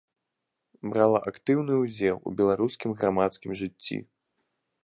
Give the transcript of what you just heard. Брала актыўны ўдзел у беларускім грамадскім жыцці.